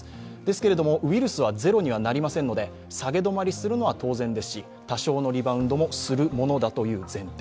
けれども、ウイルスはゼロにはなりませんので、下げ止まりするのは当然ですし多少のリバウンドもするものだという前提。